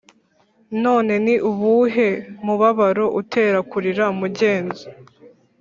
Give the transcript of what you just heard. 'none ni ubuhe mubabaro utera kurira, mugenzi?